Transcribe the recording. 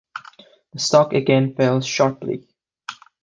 The stock again fell sharply.